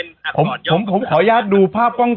ตอนนี้ผมถ่ายสองเรื่องไง